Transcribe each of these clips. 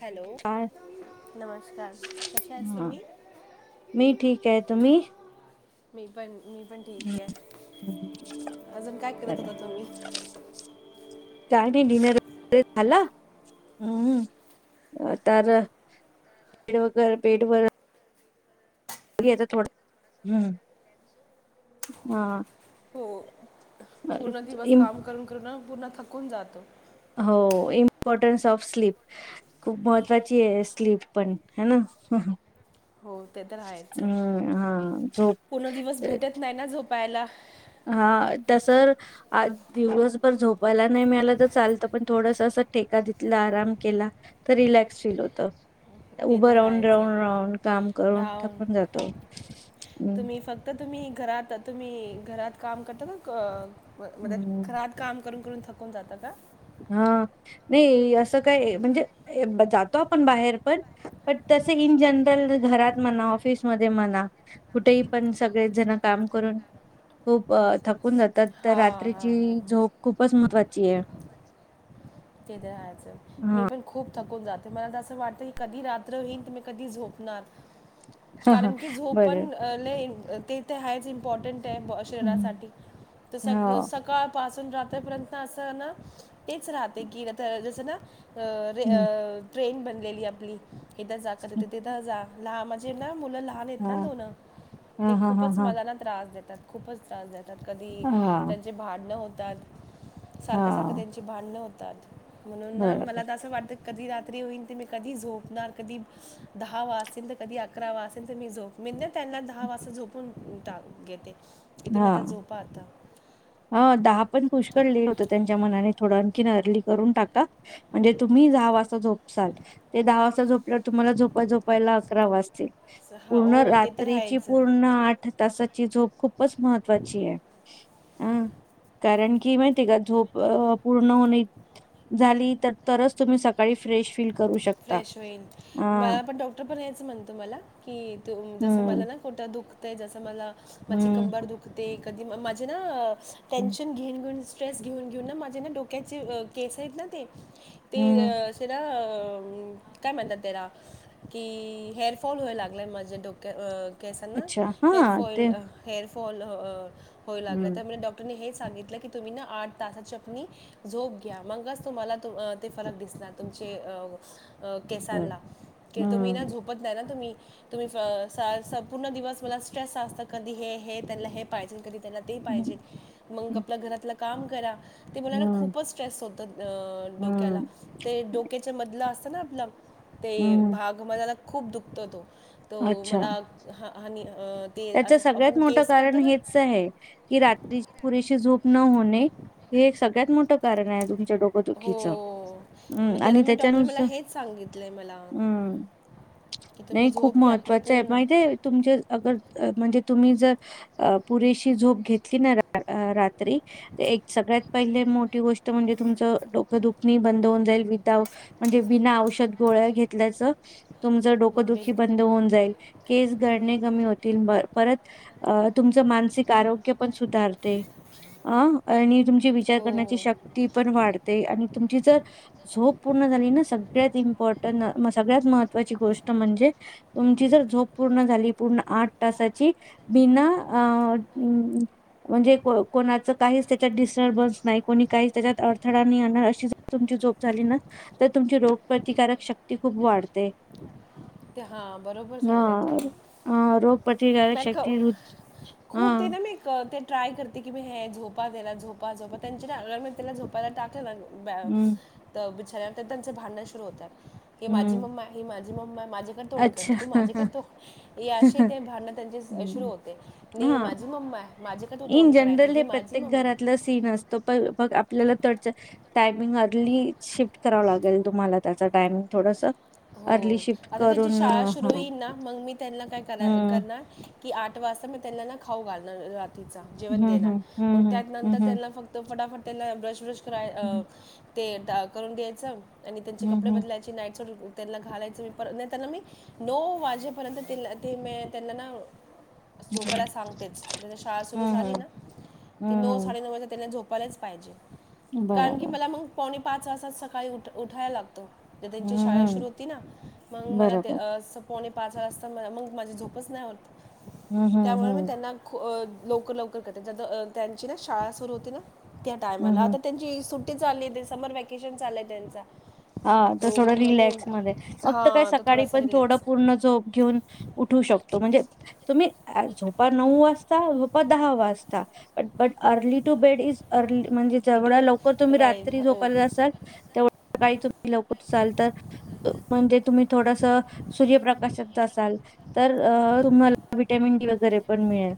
Hello काय नमस्कार कश्या आहेस तुमी. काय तुमी. मी पण मी पण ठीके काय अजून काय करत होता तुमी. [unintelligible] [unintelligible] हो [unintelligible] पूर्ण दिवस इम काम करून करूनं पूर्ण थकून जातो. हो इम्पॉर्टन्स ऑफ स्लीप. खूप महत्त्वाचीये स्लीप पण है न हूं! हो ते तर हायचं हा झोप पुर्ण दिवस भेटत नाय न झोपायला. हा तस आ दिवसभर झोपायला नाई मिळालं त चालतं पण थोडसं अस ठेका दितला, आराम केला त रिलॅक्स फील होतं. ते उभं तर राऊन आहेच राऊंन राऊंन काम करून राव थकून जातो हम् त तुम्ही घरात तुम्ही घरात काम करता न क मदत हम्म खरात- काम करून करून थकवून जातं हं हा नाही असं काय म्हणजे जातो आपण बाहेर पण पण तसे इन जनरल घरात म्हणा ऑफिसमध्ये म्हणा कुठेही पण सगळे जणं काम करून खूप थकून जात- त त हा हा रात्रीची हा झोप खूपच मत्त्वाचीये ते त हायचं मी हा पण- खूप थकून जाते मला त असं वाटतं की कधी रात्र होईन त मी कधी झोपणार हा हा कारण की झोप बरं पण- अ लय ते त हायच इम्पॉर्टंटे ब्वा शरीरासाठी त सग हा सग- काळ पासून राते पर्यंत असं न तेच राहते की आता जसं ना- त रे हम्म ट्रेन बनलेली आपली इथं जा क त तीथ तिथं जा ला म्हणजे न मुलं लहान हेत हा ना दोनं ते हा हा हा खूपच हा मला ना- त्रास देतात खूपच त्रास देतात कधी हा त्यांचे भाड न होतात सारखं सारखं- त हा त्यांची भाडणं होतात म्हणुन नां बरोबर मला त असं वाटतं- कधी रात्री होईन ते मी कधी झोपणार कधी दहा वासेल त कधी अकरा वासेल त मी झोप मी ना त्यांना दहा वाजता झोपून टा घेते की हा तुम्ही आता झोपा आता ह दहा पण पुष्कळ लि होत त्यांच्या मनाने थोडं आणखीन अर्ली करून टाका. म्हणजे तुम्ही दहा वाजता झोपसाल ते दहा वाजता झोपल्यावर तुम्हाला झोपा झोपायला अकरा वाजतील. स- हा पूर्ण हो ते तर रात्रीची आहेच पूर्ण आठ तासाची झोप खूपच महत्वाचीये अं कारण की माहितीये का झोप अ पूर्ण होणे- झाली तर तरच तुम्ही सकाळी फ्रेश- फील करू शकता. फ्रेश होईल हां. मला पण डॉक्टर पण हेचं म्हणतो मला की तू जस हं, मला ना पोटात दुखतय जसं मला माझी हं, कंबर दुखते कधी माझे ना हं, टेन्शन घेऊन घेऊन स्ट्रेस घेऊन घेऊन ना माझे ना डोक्याचे केस आहेत ना ते ते हं. अस ना अ काय म्हणतात तेरा कि हेअरफॉल व्हाय लागलाय माझे डोक्या अ केसांना अच्छा. हां, हेअरफॉईल ते हेअरफॉल अ होऊ लागला हं, तर मला डॉक्टरने हेच सांगितलं की तुम्ही ना आठ तास चटणी झोप घ्या मगच तुम्हाला तो ते फरक दिसणार. तुमचे अ बरं. केसांना की तुम्ही ना हं, झोपत नाही ना तुम्ही तुम्ही अ.. सा संपूर्ण दिवस मला स्ट्रेस असता कधी हे हे त्यांला हे पाहिजे कधी त्यांला ते पाहिजे हं, मग आपल्या घरातलं काम करा ते मुलाला हं, खूपच स्ट्रेस होत अ डोक्याला हं, ते हं. डोक्याच्या मधलं असत ना आपला ते हम्म, भाग माझ्याला खूप दुखतो तो तो मला ह हनी अ.. त्याच सगळ्यात मोठं कारण हेच आहे. की रात्री पुरेशी झोप न होणे हे एक सगळ्यात मोठं कारण आहे तुमच्या डोकं हो दुखीच हम्म मग आणि त्याला मी डॉक्टर मला त्याच्यानुसार हेच सांगितलंय मला हम्म की तुम्ही नाही खूप झोप घ्या आपली महत्त्वाच आहे पूर्ण माहिती आहे तुमचे अगर म्हणजे तुम्ही जर अ पुरेशी झोप घेतली नाही रा अ रा- -त्री एक सगळ्यात पहिले मोठी गोष्ट म्हणजे तुमचं डोकं दुखणी बंद होन जाईल विदाउट म्हणजे बिना औषध गोळ्या घेतल्याचं तुमचं डोकंदुखी बिलकुल बंद होऊन जाईल केस गळणे कमी होते. परत अ तुमचं मानसिक आरोग्य पण सुधारते. अ आणि तुमची विचार हो करण्याची शक्ती हो पण वाढते आणि तुमची जर झोप पूर्ण झाली ना सगळ्यात इम्पॉर्टंट सगळ्यात महत्त्वाची गोष्ट म्हणजे तुमची जर झोप पूर्ण झाली पूर्ण आठ तासाची बिना अ म्हणजे कोणाचं काहीच त्याच्यात डिस्टर्बन्स नाही, कोणी काही, त्याच्यात अडथळा नाही आणणार अशी तुमची झोप झाली ना तर तुमची रोगप्रतिकारक शक्ती खूप वाढते. ते हा बरोबर हा सांगताय तुम्ही. हा रोगप्रतिकारक म ख शक्ती रुच- हा खूप दिन मी एक ते ट्राय करते की मी हे झोपा त्याला झोपा झोपा त्यांच्या मी त्याला झोपायला टाकलं लागो हम्म बिछाना त्यांच भांडणं सुरू होतात ही माझी हम्म मम्मा ही माझी मम्मा माझेकडे तोंड कर अच्छा तू माझे कर तोंड ही अशी ते भांडण त्यांचे सुरू हम्म होते नई हा माझी मम्मा आहे. माझ्याकडे तू इन तोंड करायचं जनरल हे ही माझी प्रत्येक मम्मा आहे घरातलं सीन असत. त पघ आपल्याला चड टायमिंग अर्ली शिफ्ट कराव लागेल तुम्हाला. त्याचा टाइमिंग थोडस हो अर्ली शिफ्ट आता त्यांची करून शाळा सुरू ह होईल ना मग मी त्यांना काय हम्म करणार की आठ वाजता मी त्यांना ना खाऊ घालणार रातीच जेवण हम्म देणार मग हम्म हम्म त्यानंतर हम्म त्यांना फक्त तो फटाफट त्याला ब्रश ब्रश कराय हम्म ते करून द्यायच आणि त्यांचे कपडे हम्म बदलायची नाईटसूट त्यांना घालायचं मी पर नाही त्यांना मी नऊ वाजेपर्यंत ते म त्यांना ना झोपायला सांगतेच त्याची शाळा सुरू हम्म झाली हम्म ना. की नऊ हम्म साडेनऊ वाजे त्यांना झोपायलाच पाहिजे. कारण की बराबर मला मग पावणे पाच वाजता सकाळी उठ उठायला लागत. तर त्यांची हम्म शाळा सुरू हम्म होती ना मग मला ते बरोबर असं कोणी पाच वाजता मग माझी झोपच नाही होत. हम्म हम्म त्यामुळे मी हम्म त्यांना लवकर लवकर करते त्यांची ना शाळा सुरू होती ना त्या टायमाला हम्म आता त्यांची सुट्टी चालली आहे. समर वॅकेशन चालय त्यांचा. हा तर तो थोडं म्हणून रिलॅक्समध्ये फक्त काय हां तर सकाळी थोडासा पण थोडं रिलॅक्स पूर्ण झोप घेऊन उठू शकतो. म्हणजे तुम्ही झोपा नऊ वाजता झोपा दहा वाजता. But but early to bed is early म्हणजेच जेवढा लवकर तुम्ही रात्री झोपत असाल तेवढं सकाळी तुम्ही लवकर उठाल तर म्हणजे तुम्ही थोडस सूर्यप्रकाशात असाल तर तुम्हाला विटॅमिन डी वगैरे पण मिळेल.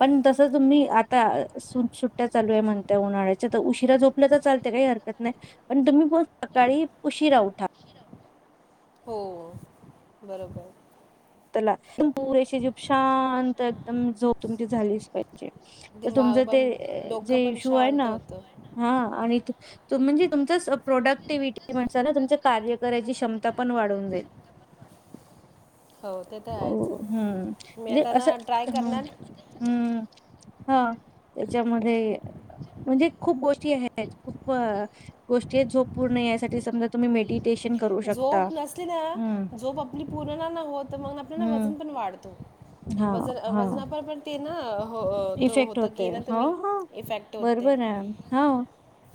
पण जस तुम्ही आता सुट सुट्ट्या चालू आहे म्हणत उन्हाळ्याच्या तर उशिरा झो आपलं तर चालते काही हरकत नाही पण तुम्हीपण सकाळी उशीरा उठा. हो. बरोबर. ला पुरेशी जूप शांत एकदम झोप झालीच पाहिजे. तर तुमच दिमाग ते पण डोकं जे पण इशू आहे शांत ना. होतं. हा आणि म्हणजे तुमचाच प्रोडक्टिव्हटी म्हणसा ना तुमच कार्य करायची क्षमता पण वाढवून जाईल. हो ते तर हो हम्म. आहेच मी म्हणजे आता असं ना ट्राय ह. करणार हम्म. हा. त्याच्यामध्ये म्हणजे खूप गोष्टी आहेत. खूप गोष्टी झोप पूर्ण यायसाठी‌ समजा तुम्ही मेडटेशन झोप नसली ना झोप आपली पूर्ण नाय ना होत मग आपल वजन हम्म पण वाढत. हा वजन.. हा वजनाप पण ते... न... हो... त.. इफेक्ट होत की होते ना तु हो हो इफेक्ट होतय. बरोबर आहे हा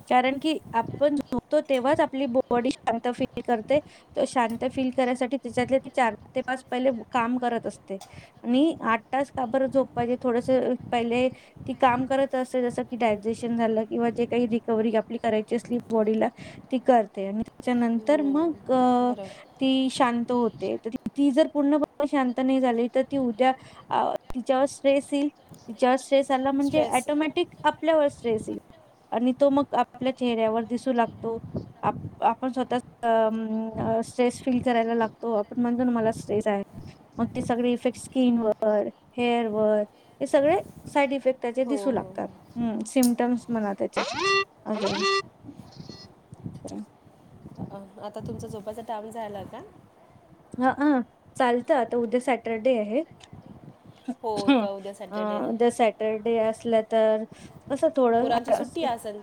कारण की आपण झोपतो तेव्हाच आपली बॉडी शांत फील करते. शांत फील करायसाठी त्याच्यातले तिच्या त चार ते पाच पहिले काम करत असते. आणि आठ तास का बर झोप पाहिजे थोडेसे पहिले... ती काम करत असते जसं की डायजेशन झालं किंवा जे काही रिकवर्ही आपली करायची असली बॉडीला.. ती करते आणि त्याच्यानंतर हम्म, मगअ... बरोबर ती शांत होते. तर ती जर पूर्णपणे शांत नाही झाली तर ती उद्या.. तिच्यावर स्ट्रेस येईल. तिच्यावर स्ट्रेस आला म्हणजे स्ट्रेस टोमॅटिक... आपल्यावर स्ट्रेस येईल. आणि तो मग आपल्या चेहऱ्यावर दिसू लागतो. आ... आपण स्वतःअ..... स्ट्रेस फील करायला लागतो आपण म्हणतो ना मला स्ट्रेस आहे. मग ते सगळे इफेक्ट स्किन वर, हेअर वर हे सगळे... साईट इफेक्ट जे हो हो दिसू हो. लागतात. हम्म. सिमटम्स म्हणा त्याचे. अ..... आता तुमचा झोपाचा टाईम झाला का? हा... अ.. चालतं आता उद्या सॅटरडे आहे. हो का उद्या सॅटर्डे अ.., जर सॅटरडे असलं तर.... असं थोडं.... आ... स. चल....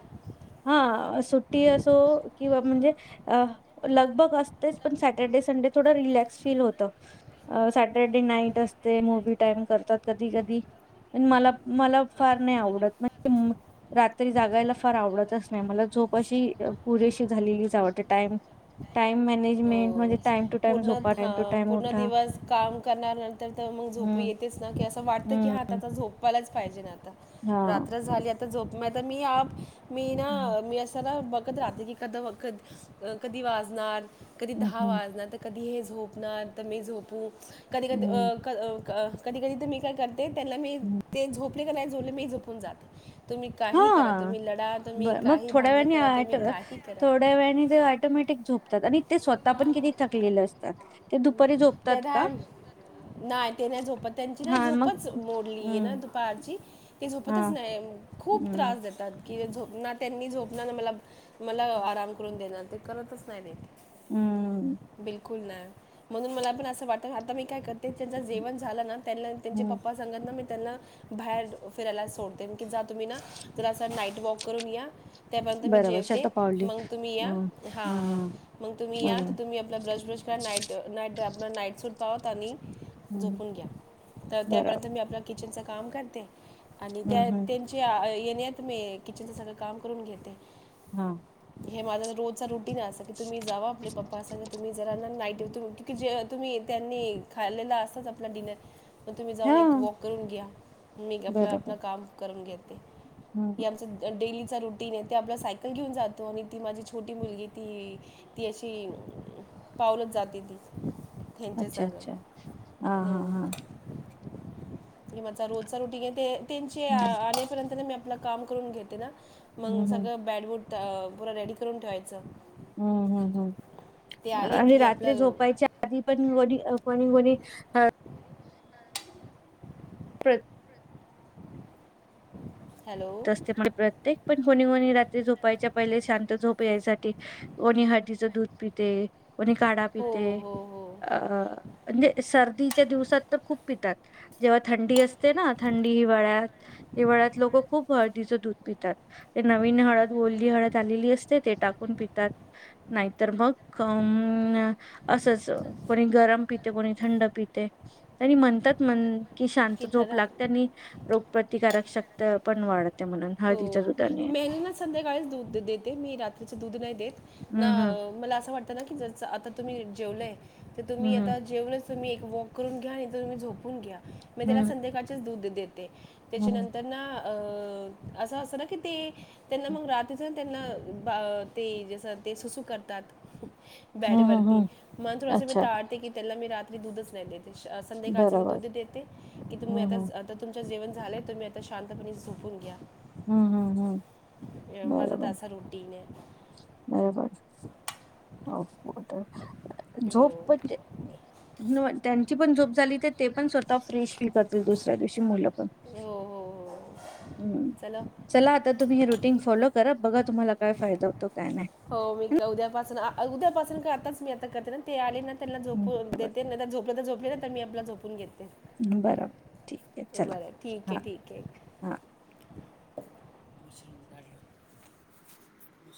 हा... सुट्टी असो.. किंवा म्हणजे.. अ.. लग -बग असतेच पण सॅटर्डे संडे थोडं रिलॅक्स फील होतं. अ सॅटरडे नाईट असते. मूवी टाईम करता त. कधी -कधी. म ला. मला फार नाही आवडत म्हणजे.. रात्री जागायला फार आवडत नाही.. मला झोप अशी पुरेशी झालेलीच आवडते टाईम. टाईम हो मॅनेजमेंट म्हणजे आ..... पूर्ण ह... पूर्ण दिवस काम करणार नंतर तर मग झोप हम्म येतेच ना की असं वाटत कि.. कि हम्म हा आता -आता झोपवायलाच पाहिजेन आता. हा रात्र झाली आता झोप नाय तर मी आप.... मी हम्म ना मी असस ना बघत राहते की कदी व कधी वाजनार. कधी दहा हम्म वाजणार तर कधी हे झोपणार तर मी झोपू कधी -कधी हम्म का... क.. कधी- कधी ते मी काय करते त्यांना मी हम्म ते झोपले का नाही झोपले मी झोपून जाते. तुम्ही काही करा हा... तुम्ही लढा तुम्ही बर. मग काही थोड्या भांडणं वेळानी करा हाय.. तुम्ही काही करा थोड्या वेळाने ते ऑटोमेटिक.. झोतात आणि ते स्वतः पण कि थकलेले असतात ते दुपारी झोपतात त्या दहा का. नाही ते ना झोप त्यांची ना हा मग झोपच मोडलीए ना.. हम्म दुपारची. ते हा झोपतच नाही खूप हम्म त्रास देतात की झोप.. ना... त्यांनी झोपणार मला... मला आराम करून देणार ते करतच नाही ते.... हम्म बिलकुल नाही. म्हणून मला पण असं वाटत आता मी काय करते त्यांंच जेवण झालं ना आणि त्यांच्या हम्म पप्पास.. त्याना ना मी त्यांना बाहेर फिरायला सोडते की जा तुम्ही ना... तर असं नाईट वॉक करून या. त्यापर्यंत मी बरोबर जेवते शतपावली मग तुम्ही या. हं हा... हं मग तुम्ही या तर बरोबर तुम्ही आपला ब्रश -ब्रश करा नाईट. नाईट आपलं नाईट सूट पाहत आणि हं झोपून घ्या. तर बरोबर त्यापर्यंत मी आपल्या... किचनच काम करते. आणि हं त्या.. हं त्यां... च्या.. येण्यात मी किचनचं सगळं काम करून घेते. हा... हे माझ रोजच रुटीन आहे असत. कि तुम्ही जावा आपले पप्पा असतात कि तुम्ही ना जरा नाईट. तु.. की... जे तुम्ही त्यांनी खाल्लेला असाच आपला डिनर. मग तुम्ही जाऊन हा एक वॉक करून घ्या. मी आपलं बरोबर -आपलं काम करून घेते. हं हे आमचं. [unintelligible] डेलीचा रुटीन आहे. ते आपला सायकल घेऊन जातो आणि ती माझी छोटी मुलगी ती. ती अशी पावलच जाते ती. त्यांच्या अच्छा संग अच्छा हा हा हो. हा आणि माझा रोजचा रूटीग ते त्यांचे हं आपर्यंत मी. आप काम करून घेते ना, मग हं हं सगळं बॅड वूड पुूरा रेडी करून ठेवायचं. हम्म हम्म ते हम् आले आणि की रात्री आपलं झोपायच्या- आधी पण वडी कोणी वरी अं.. प्र. हॅलो असते प्रत्येक पण कोणी कोणी रात्री झोपायच्या पहिले शांत झोप यायसाठी. कोणी हळदीचं दूध पित कोणी काढा हो पित. हो हो अ म्हणजे सर्दीच्या दिवसात तर खूप पितात. जेव्हा थंडी असते ना, थंडी हिवाळ्यात, हिवाळ्यात लोक खूप, हळदीचं दूध पितात. ते नवीन हळद ओल्ली हळद आलेली असते ते टाकून पितात. नाहीतर मग अ.... असंच कोणी गरम पिते कोणी थंड पिते त्यांनी म्हणतात म्हण- की शांत तिथं झोप लागते. आणि राहत रोगप्रतिकारक शक्त पण वाढते. त्याच्या म्हणून हो हळदीच्या दुधाने. मेहंदी ना संध्याकाळीच दूध देते मी रात्रीच दूध नाही देत ना हं, हं. मला असं वाटत. आता ना की जरं आता तुम्ही जेवलय, तर हं, तुम्ही हं. आता जेवलंय तर मी एक वॉक कर घ्या. आणि तर तुम्ही झोप- घ्या. मी त्याला हं, संध्याकाळचेच दूध देते त्याच्या हं. नंतर ना अ. असं असं ना कि ते. त्यांना मग रात्रीच त्यांना ते जसं ते सुसू करतात. बॅड हं, हं, वरती, हं. मन थोडा मी अच्छा तारते की त्याल्ला मी रात्री दुध नाही देत. संध्याकाळचे मी बरोबर. दूध देते की तुम्ही हं, आता. हं. आता तुमच्या जेवण झालंय. तुम्ही आता शांतपणे झोपून घ्या. हम्म हम्म हम्. माजा तर असं रुटीने. बरोबर हो हो जॉब पण. [inaudible] त्यांची पण झोप झाली तर ते पण स्वतः फ्रेश फी करतील दुसऱ्या दिवशी मुलं पण. हो हो हो. म् चला चला आता तुम्ही हे रुटीन फॉलो करा बघा तुम्हाला काय फायदा होतो. तो काय हो मी का उद्यापासून उद्यापासून का आताच मी आता करते ना ते आले ना त्याला हम्म. झोपून देते. ते नाही तर झोपले तर झोपले नाही तर मी आपला झोपून घेते. बरं बरं ठीक आहे ठीक आहे. हा